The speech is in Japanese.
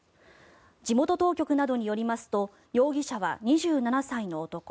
地元当局などによりますと容疑者は２７歳の男。